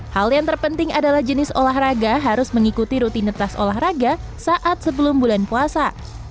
hal yang terpenting adalah jenis olahraga harus mengikuti rutinitas olahraga saat sebelum bulan puasa